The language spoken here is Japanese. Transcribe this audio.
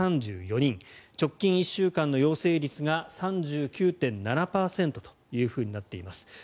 直近１週間の陽性率が３９．７％となっています。